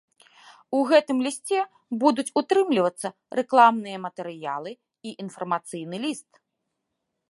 У гэтым лісце будуць утрымлівацца рэкламныя матэрыялы і інфармацыйны ліст.